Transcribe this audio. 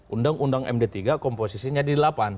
undang undang md tiga komposisinya di delapan